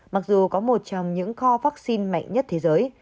mặc dù có một trong những kho vaccine mạnh nhất thế giới